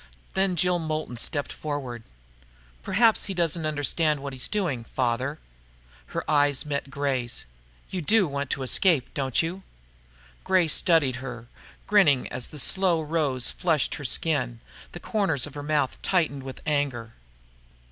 Then Jill Moulton stepped forward. "Perhaps he doesn't understand what he's doing, Father." Her eyes met Gray's. "You want to escape, don't you?" Gray studied her, grinning as the slow rose flushed her skin, the corners of her mouth tightening with anger.